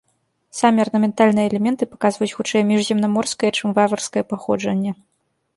Самі арнаментальныя элементы паказваюць, хутчэй, міжземнаморскае, чым варварскае паходжанне.